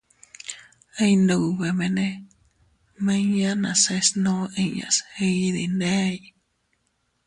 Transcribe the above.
Iyndubemene miñan nase snuu inñas iydindey.